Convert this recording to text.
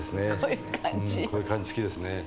こういう感じ好きですね。